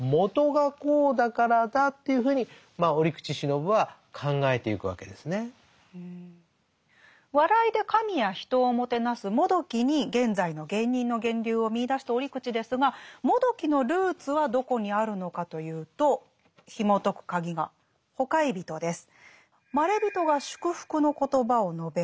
ですからそういうような笑いで神や人をもてなすもどきに現在の芸人の源流を見いだした折口ですがもどきのルーツはどこにあるのかというとひもとく鍵が「ほかひゞと」です。